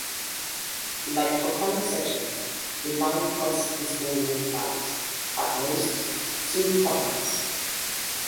Like for conic sections, a line cuts this oval at, at most, two points.